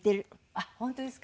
あっ本当ですか？